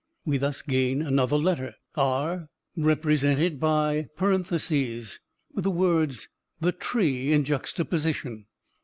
We thus gain another letter, r, represented by (, with the words 'the tree' in juxtaposition.